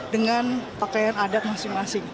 dengan pakaian adat masing masing